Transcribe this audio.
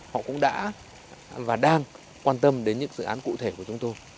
họ cũng đã và đang quan tâm đến những dự án cụ thể của chúng tôi